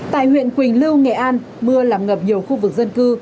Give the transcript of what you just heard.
tại huyện quỳnh lưu nghệ an mưa làm ngập nhiều khu vực dân cư